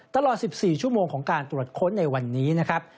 ตลอด๑๔ชั่วโมงของการตรวจค้นในวันนี้นะครับ